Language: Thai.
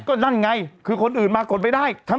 ก็นั่นไงคือคนอื่นมากดไม่ได้